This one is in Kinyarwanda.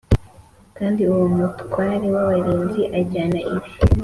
Kandi uwo mutware w abarinzi ajyana ibintu